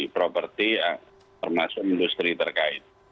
properti termasuk industri terkait